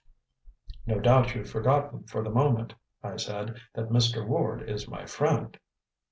"No doubt you've forgotten for the moment," I said, "that Mr. Ward is my friend."